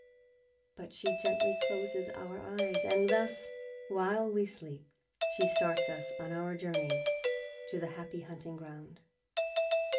But she gently closes our eyes, and thus, while we sleep, she starts us on our journey to the Happy Hunting Ground.